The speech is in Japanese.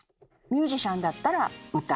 ミュージシャンだったら「歌」